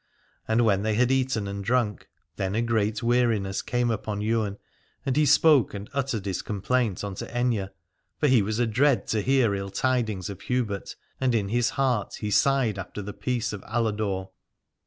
And when they had eaten and drunk, then a great weariness came upon Ywain, and he spoke, and uttered his complaint unto Aithne : for he was adread to hear ill tidings of Hubert, and in his heart he sighed after the peace of Aladore.